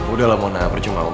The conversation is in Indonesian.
udah lah mona berjumlah